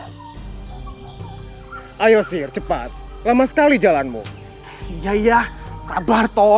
hai hai early stage cepat lama sekali jalanmu iya ya sabar tom